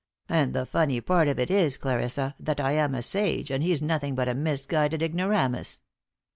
And the funny part of it is, Clarissa, that I am a sage, and he's nothing but a misguided ignoramus."